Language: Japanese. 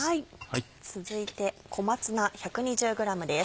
続いて小松菜１２０ｇです。